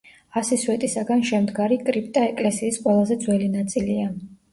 ასი სვეტისაგან შემდგარი კრიპტა ეკლესიის ყველაზე ძველი ნაწილია.